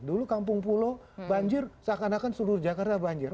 dulu kampung pulau banjir seakan akan seluruh jakarta banjir